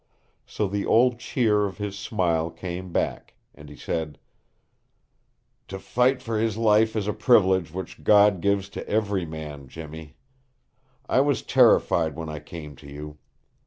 So the old cheer of his smile came back, and he said: "To fight for his life is a privilege which God gives to every man, Jimmy. I was terrified when I came to you.